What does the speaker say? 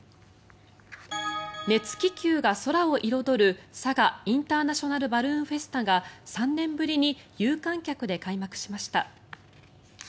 熱気球が空を彩る佐賀インターナショナルバルーンフェスタが３年ぶりに有観客で開幕しました。